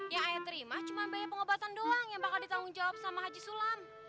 yang ayah terima cuma biaya pengobatan doang yang bakal ditanggung jawab sama haji sulam